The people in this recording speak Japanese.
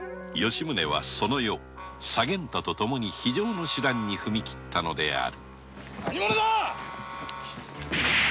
その夜左源太とともに非常の手段に踏み切ったのである何者だ？